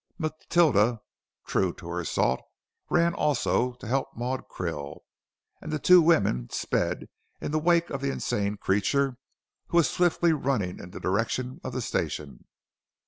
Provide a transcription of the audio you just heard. Matilda, true to her salt, ran also, to help Maud Krill, and the two women sped in the wake of the insane creature who was swiftly running in the direction of the station.